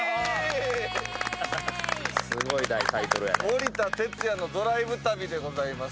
「森田哲矢のドライブ旅」でございます。